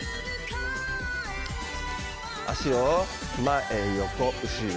脚を前、横、後ろ。